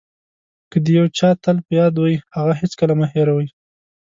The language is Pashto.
که د یو چا تل په یاد وئ هغه هېڅکله مه هیروئ.